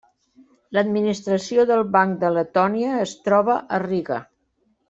L'administració del Banc de Letònia es troba a Riga.